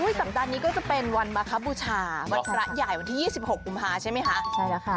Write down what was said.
สัปดาห์นี้ก็จะเป็นวันมาคบูชาวันพระใหญ่วันที่๒๖กุมภาใช่ไหมคะใช่แล้วค่ะ